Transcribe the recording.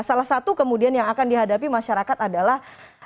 salah satu kemudian yang akan dihadapi masyarakat adalah